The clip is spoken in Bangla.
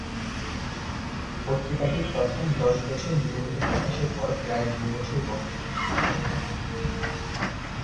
পত্রিকাটি প্রথম দশ বছর নিয়মিত প্রকাশের পর প্রায় দু বছর বন্ধ থাকে।